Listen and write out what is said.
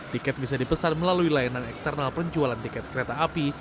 tiket bisa dipesan melalui layanan eksternal penjualan tiket kereta api